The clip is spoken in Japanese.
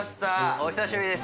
・お久しぶりです。